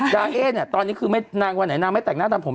เอ๊เนี่ยตอนนี้คือนางวันไหนนางไม่แต่งหน้าทำผม